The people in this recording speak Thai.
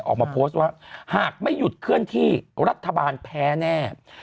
ออกมาโพสต์ว่าหากไม่หยุดเคลื่อนที่รัฐบาลแพ้แน่